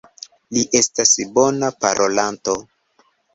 Li estas bona parolanto.